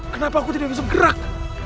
kenapa aku tidak bisa gerak